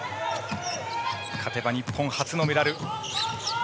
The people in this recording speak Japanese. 勝てば日本初のメダル。